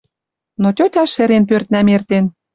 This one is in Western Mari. Но тьотя шӹрен пӧртнӓм эртен;